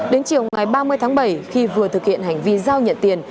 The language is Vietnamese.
đến chiều ngày ba mươi tháng bảy khi vừa thực hiện hành vi giao nhận tiền